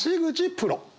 プロ。